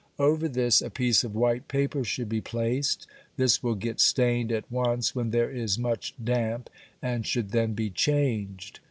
Over this a piece of white paper should be placed; this will get stained at once when there is much damp, and should then be changed.